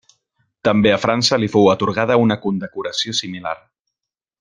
També a França li fou atorgada una condecoració similar.